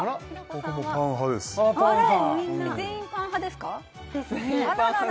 全員パン派ですか？